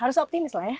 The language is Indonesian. harus optimis lah ya